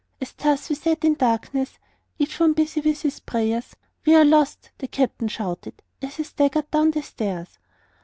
As thus we sat in darkness Each one busy with his prayers, "We are lost!" the captain shouted, As he staggered down the stairs.